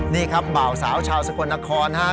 นี่ครับบ่าวสาวชาวสกลนครนะครับ